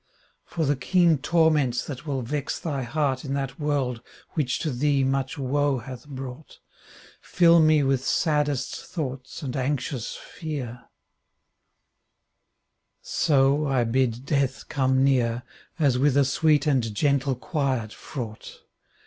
For the keen torments that will vex thy heart In that world which to thee much woe hath brought, Fill me with saddest thoughts and anxious fear;" So 1 bid Death come near, ^'' As with a sweet and gentle quiet fraught.